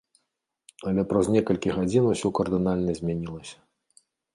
Але праз некалькі гадзін усё кардынальна змянілася.